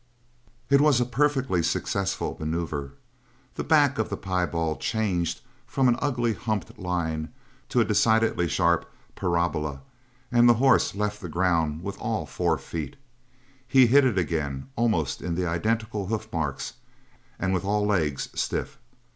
It was a perfectly successful maneuvre. The back of the piebald changed from an ugly humped line to a decidedly sharp parabola and the horse left the ground with all four feet. He hit it again, almost in the identical hoof marks, and with all legs stiff.